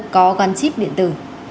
có gắn chip điện tử